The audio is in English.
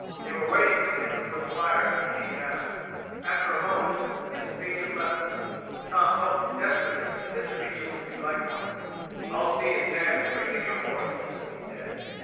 They were waiting for him before the fire as he came down. After a moment, Mrs. Beecham left them. Tom hoped desperately that Mr. Beecham would do likewise. "I'll see if Sam is bringing your horse," he said.